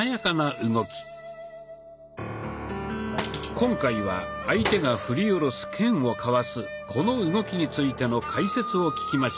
今回は相手が振り下ろす剣をかわすこの動きについての解説を聞きましょう。